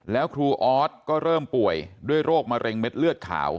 แล้วครูออสก็เริ่มป่วยด้วยโรคมะเร็งเม็ดเลือดขาว